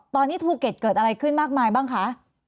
ตอนนี้ภูเก็ตเกิดอะไรขึ้นมากมายบ้างคะ